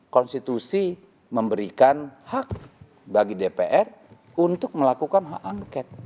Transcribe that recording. konstitusi memberikan hak bagi dpr untuk melakukan hak angket